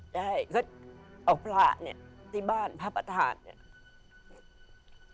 ได้ก็เอาพระเนี่ยที่บ้านพระประธานเนี่ย